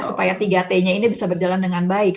supaya tiga t nya ini bisa berjalan dengan baik